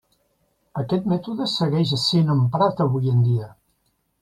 Aquest mètode segueix sent emprat avui en dia.